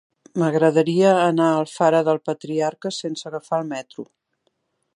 M'agradaria anar a Alfara del Patriarca sense agafar el metro.